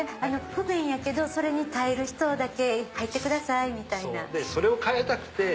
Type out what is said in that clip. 不便やけどそれに耐える人だけ入ってくださいみたいな。